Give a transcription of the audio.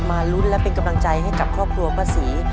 ลุ้นและเป็นกำลังใจให้กับครอบครัวป้าศรี